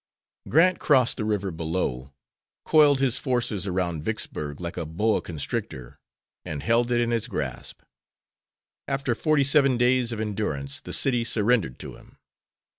Grant crossed the river below, coiled his forces around Vicksburg like a boa constrictor, and held it in his grasp. After forty seven days of endurance the city surrendered to him.